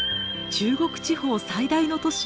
中国地方最大の都市